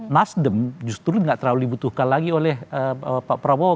nasdem justru tidak terlalu dibutuhkan lagi oleh pak prabowo